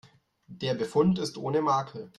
Der Befund ist ohne Makel.